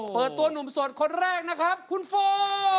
เปิดตัวหนุ่มโสดคนแรกนะครับคุณโฟ